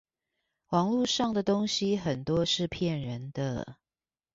網路上的東西很多是騙人的